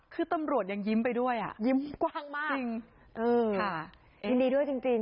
คือตำรวจยังยิ้มไปด้วยอ่ะยิ้มกว้างมากจริงเออค่ะยินดีด้วยจริงจริง